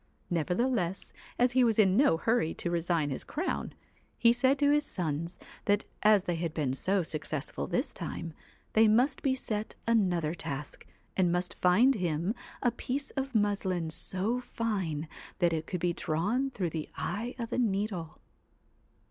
Nevertheless, as he was in no hurry to resign his crown, he said to his sons that as they had been so successful this time, they must be set another task, and must find him a piece of muslin so fine that it could be drawn through the eye of a needle.